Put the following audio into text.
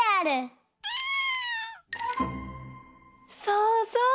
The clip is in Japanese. そうそう。